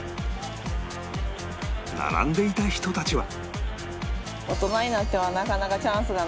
並んでいた人たちは